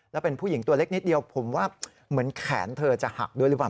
แล้วเป็นผู้หญิงตัวเล็กนิดเดียวผมว่าเหมือนแขนเธอจะหักด้วยหรือเปล่า